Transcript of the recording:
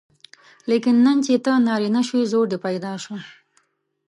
لیکن نن چې ته نارینه شوې زور دې پیدا شو.